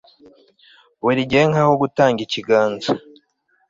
buri gihe ngaho gutanga ikiganza